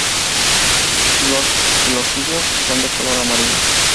Los gloquidios son de color amarillo.